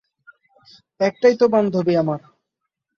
একটাই তো বান্ধবী আমার।